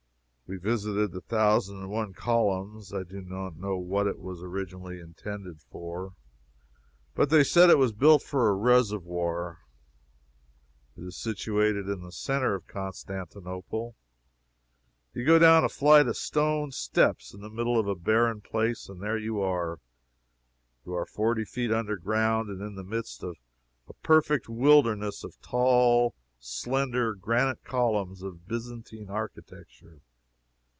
We visited the Thousand and One Columns. I do not know what it was originally intended for, but they said it was built for a reservoir. It is situated in the centre of Constantinople. You go down a flight of stone steps in the middle of a barren place, and there you are. You are forty feet under ground, and in the midst of a perfect wilderness of tall, slender, granite columns, of Byzantine architecture.